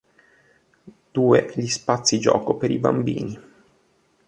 Due gli spazi gioco per i bambini.